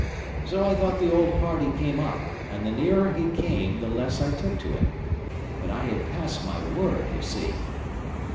So I thought the old party came up, and the nearer he came, the less I took to him. But I had passed my word, you see.'